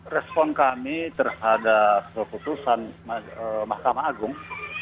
respon kami terhadap keputusan mahkamah agung